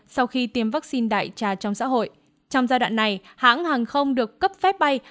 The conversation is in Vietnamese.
sau khi tiêm vaccine đại trà trong xã hội trong giai đoạn này hãng hàng không được cấp phép bay